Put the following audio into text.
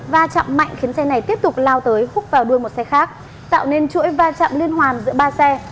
và chạm mạnh khiến xe này tiếp tục lao tới khúc vào đuôi một xe khác tạo nên chuỗi va chạm liên hoàn giữa ba xe